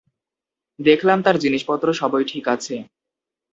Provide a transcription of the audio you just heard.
দেখলাম তার জিনিসপত্র সবই ঠিক আছে।